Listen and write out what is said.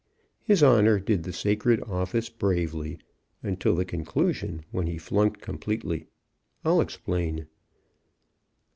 His Honor did the sacred office bravely until the conclusion, when he flunked completely. I'll explain.